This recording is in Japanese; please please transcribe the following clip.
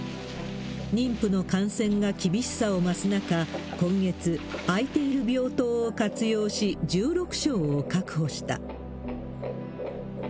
妊婦の感染が厳しさを増す中、今月、空いている病棟を活用し、１６床を確保した。